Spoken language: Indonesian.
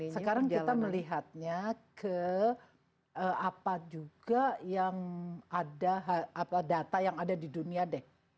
sekarang kita melihatnya ke apa juga yang ada data yang ada di dunia deh